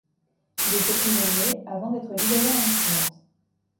Il est fait prisonnier avant d'être libéré l'année suivante.